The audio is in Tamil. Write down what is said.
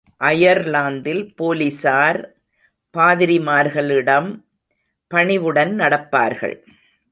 அயர்லாந்தில் போலிஸார் பாதிரிமார்களிடம் பணிவுடன் நடப்பார்கள்.